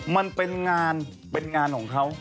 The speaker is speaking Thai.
มันเป็นงานเป็นงานของเขา